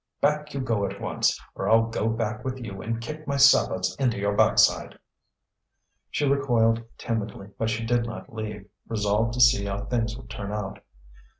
Back you go at once, or I'll go back with you and kick my sabots into your backside." She recoiled timidly but she did not leave, resolved to see how things would turn out.